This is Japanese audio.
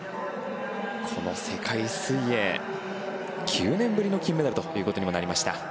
この世界水泳９年ぶりの金メダルということにもなりました。